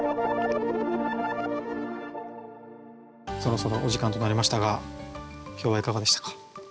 そろそろお時間となりましたが今日はいかがでしたか？